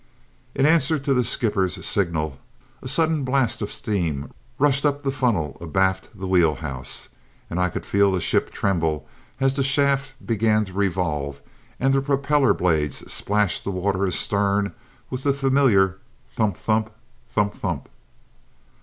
In answer to the skipper's signal a sudden blast of steam rushed up the funnel abaft the wheel house, and I could feel the ship tremble as the shaft began to revolve and the propeller blades splashed the water astern with the familiar "thump thump, thump thump."